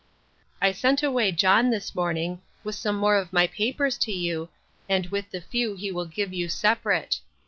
I sent away John this morning, with some more of my papers to you, and with the few he will give you separate.